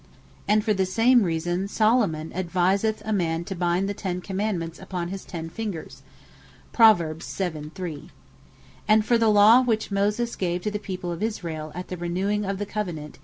And for the same reason Solomon adviseth a man, to bind the ten Commandements (Prov. 7. 3) upon his ten fingers. And for the Law which Moses gave to the people of Israel at the renewing of the Covenant, (Deut.